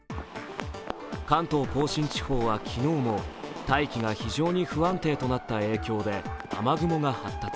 関東甲信地方は昨日も大気が非常に不安定となった影響で雨雲が発達。